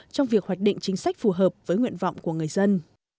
trong việc hoạch định chính sách phù hợp với nguyện vọng của người dân